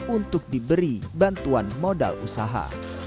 untuk diberi bantuan modal usaha